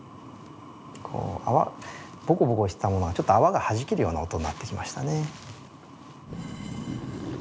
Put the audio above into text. ボコボコしてたものがちょっと泡が弾けるような音になってきましたね。